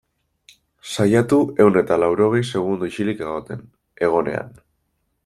Saiatu ehun eta laurogei segundo isilik egoten, egonean.